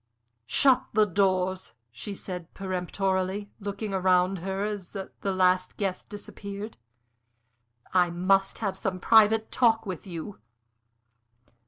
"Shut the doors!" she said, peremptorily, looking round her as the last guest disappeared. "I must have some private talk with you.